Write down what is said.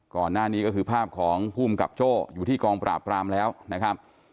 ก่อนหน้านี้ก็คือภาพของภูมิกับโจ้อยู่ที่กองปราบปรามแล้วนะครับ